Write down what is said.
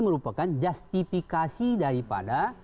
merupakan justifikasi daripada